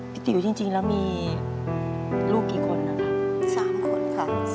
พี่ติ๋วจริงแล้วมีลูกกี่คนนะครับ